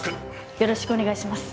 よろしくお願いします。